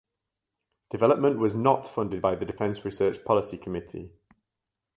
Development was not funded by the Defence Research Policy Committee.